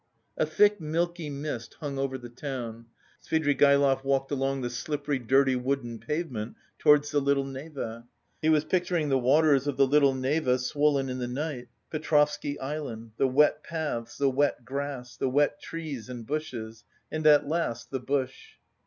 A thick milky mist hung over the town. Svidrigaïlov walked along the slippery dirty wooden pavement towards the Little Neva. He was picturing the waters of the Little Neva swollen in the night, Petrovsky Island, the wet paths, the wet grass, the wet trees and bushes and at last the bush....